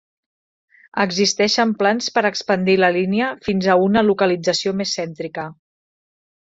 Existeixen plans per expandir la línia fins a una localització més cèntrica.